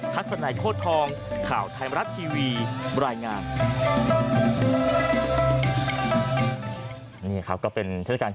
ทัศนายโฆษธองข่าวไทยมรัฐทีวีบรรยายงาน